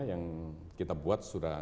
yang kita buat sudah